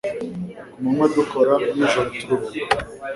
Ku manywa, dukora, nijoro turuhuka.